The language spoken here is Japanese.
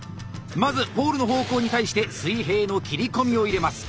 まずポールの方向に対して水平の切り込みを入れます。